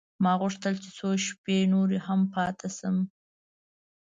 ما غوښتل چې څو شپې نور هم پاته شم.